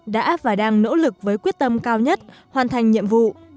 đã và đang nỗ lực với quyết tâm cao nhất hoàn thành nhiệm vụ